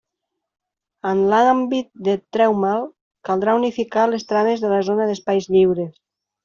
En l'àmbit de Treumal, caldrà unificar les trames de la zona d'espais lliures.